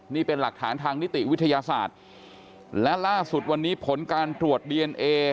นี่เป็นหลักฐานทางนิติวิทยาศาสตร์และล่าสุดวันนี้ผลการตรวจดีเอนเอ